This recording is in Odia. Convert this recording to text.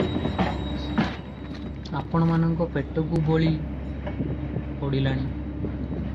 ଆପଣ ମାନଙ୍କ ପେଟକୁ ବଳି ପଡ଼ିଲାଣି ।